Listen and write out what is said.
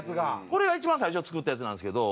これが一番最初に作ったやつなんですけど。